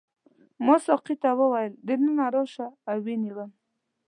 ما ساقي ته وویل دننه راشه او ویې نیوم.